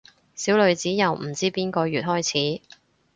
小女子由唔知邊個月開始